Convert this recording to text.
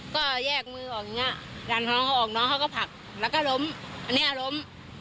ก็แยกมือออกน้องเขาออกน้องเขาก็ผลักแล้วก็ล้มอันนี้ล้ม